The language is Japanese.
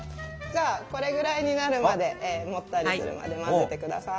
じゃあこれぐらいになるまでもったりするまで混ぜてください。